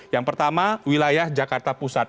yang pertama wilayah jakarta pusat